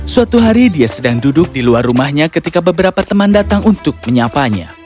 suatu hari dia sedang duduk di luar rumahnya ketika beberapa teman datang untuk menyapanya